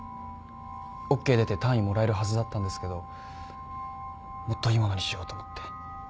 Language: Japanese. ＯＫ出て単位もらえるはずだったんですけどもっといいものにしようと思って。